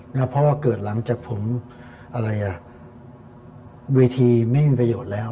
เพราะว่าเกิดหลังจากผมอะไรอ่ะเวทีไม่มีประโยชน์แล้ว